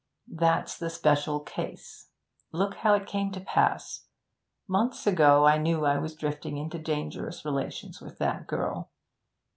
'That's the special case. Look how it came to pass. Months ago I knew I was drifting into dangerous relations with that girl.